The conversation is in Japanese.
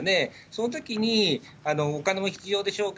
そのときに、お金も必要でしょう